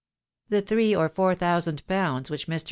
The three or four thousand pounds which ISIr.